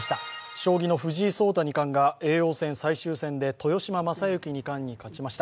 将棋の藤井聡太二冠が叡王戦最終戦で豊島将之二冠に勝ちました。